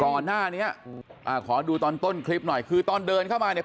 ก่อนหน้านี้อ่าขอดูตอนต้นคลิปหน่อยคือตอนเดินเข้ามาเนี่ย